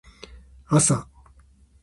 あさ